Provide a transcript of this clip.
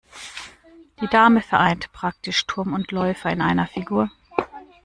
Die Dame vereint praktisch Turm und Läufer in einer Figur.